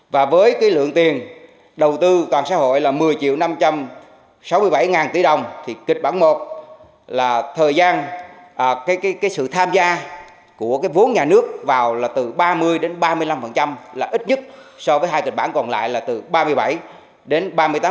và với cái lượng tiền đầu tư toàn xã hội là một mươi triệu năm trăm sáu mươi bảy ngàn tỷ đồng thì kịch bản một là thời gian sự tham gia của cái vốn nhà nước vào là từ ba mươi đến ba mươi năm là ít nhất so với hai kịch bản còn lại là từ ba mươi bảy đến ba mươi tám